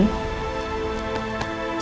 ya jadi tadi